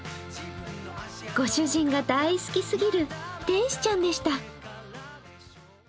ご主人が大好きすぎる天使ちゃんでした。